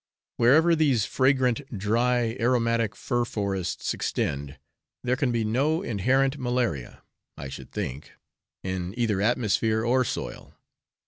Wherever these fragrant, dry, aromatic fir forests extend, there can be no inherent malaria, I should think, in either atmosphere or soil.